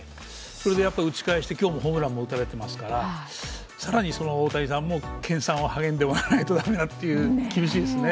それで打ち返して今日もホームランも打たれてますから更にその大谷さんも研鑽を励んでもらわないと、厳しいですね。